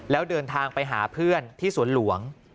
แล้วเดินทางไปหาเพื่อนที่สวนหลวง